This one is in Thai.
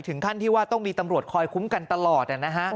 ถึงขั้นที่ว่าต้องมีตำรวจคอยคุ้มกันตลอด